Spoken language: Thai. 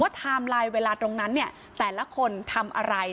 ไทม์ไลน์เวลาตรงนั้นเนี่ยแต่ละคนทำอะไร